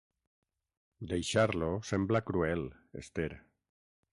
Deixar-lo sembla cruel, Esther.